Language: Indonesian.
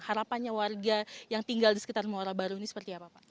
harapannya warga yang tinggal di sekitar muara baru ini seperti apa pak